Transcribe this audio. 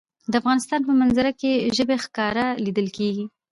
د افغانستان په منظره کې ژبې ښکاره لیدل کېږي.